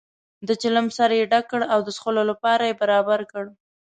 د چلم سر یې ډک کړ او د څکلو لپاره یې برابر کړ.